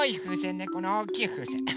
ねこのおおきいふうせん。